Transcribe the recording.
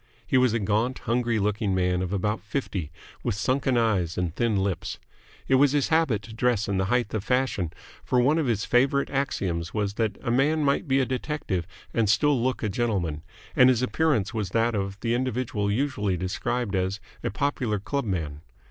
He was a gaunt, hungry looking man of about fifty, with sunken eyes and thin lips. It was his habit to dress in the height of fashion, for one of his favourite axioms was that a man might be a detective and still look a gentleman, and his appearance was that of the individual usually described as a "popular clubman."